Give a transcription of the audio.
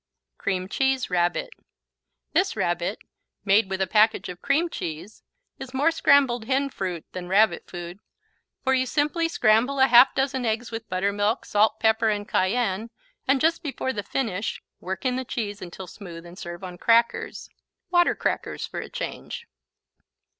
Cream Cheese Rabbit This Rabbit, made with a package of cream cheese, is more scrambled hen fruit than Rabbit food, for you simply scramble a half dozen eggs with butter, milk, salt, pepper and cayenne, and just before the finish work in the cheese until smooth and serve on crackers water crackers for a change.